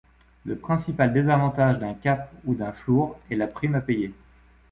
Le principal désavantage d'un cap ou d'un floor est la prime à payer.